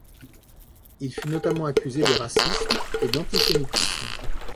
Il fut notamment accusé de racisme et d'antisémitisme.